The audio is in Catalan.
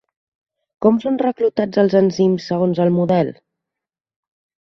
Com són reclutats els enzims segons el model?